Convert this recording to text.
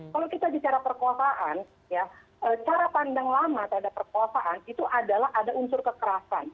kalau kita bicara perkosaan cara pandang lama terhadap perkosaan itu adalah ada unsur kekerasan